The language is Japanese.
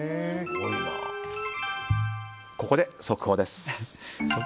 ここで速報です。